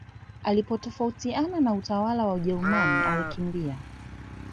Alipotafautiana na utawala wa kijerumani alikimbia